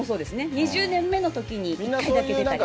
２０年目のときに１回だけ出たりとか。